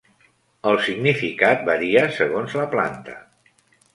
El significat varia segons la planta.